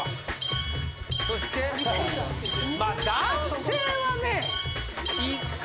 そしてまあ男性はね。